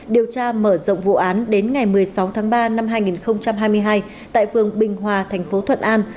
điều tra mở rộng vụ án đến ngày một mươi sáu tháng ba năm hai nghìn hai mươi hai tại phường bình hòa thành phố thuận an